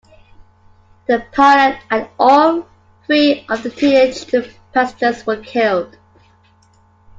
The pilot and all three of the teenaged passengers were killed.